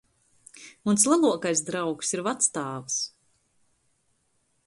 Muns leluokais draugs ir vactāvs.